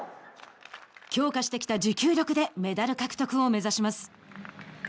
強化してきた持久力でメダル獲得を目指します。